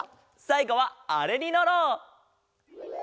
さいごはあれにのろう！